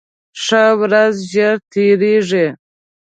ښه ورځ ژر تېرېږي